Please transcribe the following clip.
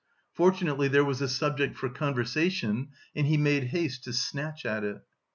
Fortunately there was a subject for conversation, and he made haste to snatch at it.